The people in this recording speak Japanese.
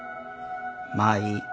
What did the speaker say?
まあいい。